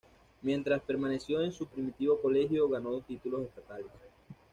Mientras permaneció en su primitivo colegio, ganó dos títulos estatales.